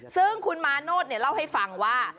ซึ่งคุณมาโนธเล่าให้ฟังว่า